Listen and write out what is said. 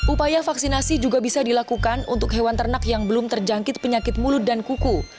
upaya vaksinasi juga bisa dilakukan untuk hewan ternak yang belum terjangkit penyakit mulut dan kuku